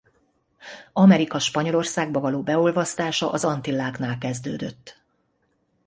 Amerika Spanyolországba való beolvasztása az Antilláknál kezdődött.